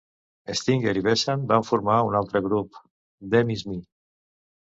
Stringer i Bessant van formar un altre grup "Them Is Me".